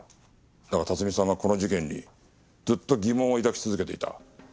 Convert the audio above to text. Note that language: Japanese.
だが辰巳さんはこの事件にずっと疑問を抱き続けていた。